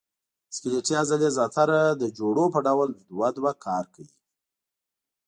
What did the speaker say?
سکلیټي عضلې زیاتره د جوړو په ډول دوه دوه کار کوي.